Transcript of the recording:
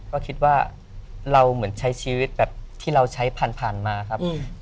ก็คิดว่าเราเหมือนใช้ชีวิตแบบที่เราใช้ผ่านมาครับ